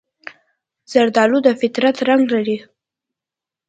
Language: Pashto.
زردالو د فطرت رنګ لري.